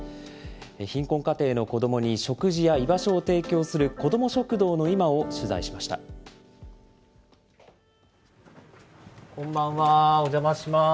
貧困家庭の子どもに食事や居場所を提供する子ども食堂の今を取材しました。